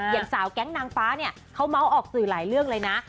อย่างสาวแก๊งนางฟ้าเนี่ยเขาเมาส์ออกสื่อหลายเรื่องเลยนะ